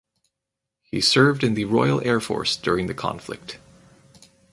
He served in the Royal Air Force during the conflict.